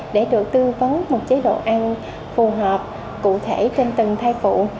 để được tư vấn một chế độ ăn phù hợp cụ thể trên từng thai phụ